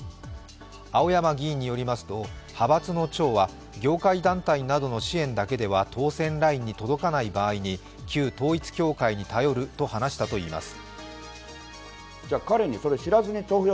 青山議員によりますと、派閥の長は業界団体の支援だけでは当選ラインに届かない場合に旧統一教会に頼ると話したといいます。